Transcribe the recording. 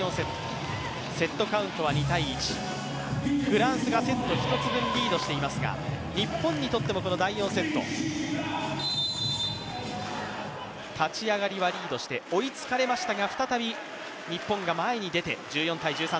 フランスがセット１つ分リードしていますが、日本にとってもこの第４セット立ち上がりはリードして追いつかれましたが再び日本が前に出ています。